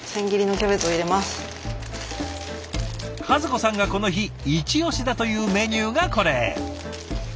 和子さんがこの日イチオシだというメニューがこれ。